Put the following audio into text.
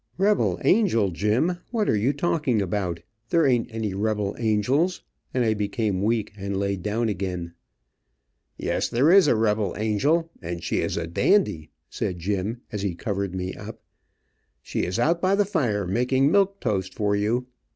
"Rebel angel, Jim; what are you talking about? There ain't any rebel angels," and I became weak and laid down again. "Yes, there is a rebel angel, and she is a dandy," said Jim, as he covered me up. "She is out by the fire making milk toast for you.